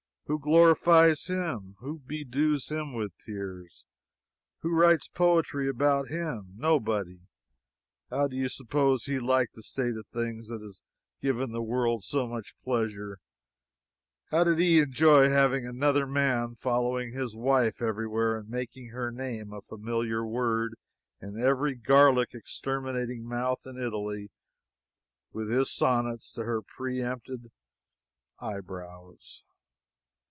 Who glorifies him? Who bedews him with tears? Who writes poetry about him? Nobody. How do you suppose he liked the state of things that has given the world so much pleasure? How did he enjoy having another man following his wife every where and making her name a familiar word in every garlic exterminating mouth in Italy with his sonnets to her pre empted eyebrows?